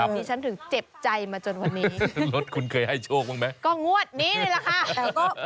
ดิฉันถึงเจ็บใจมาจนวันนี้รถคุณเคยให้โชคบ้างไหมก็งวดนี้นี่แหละค่ะ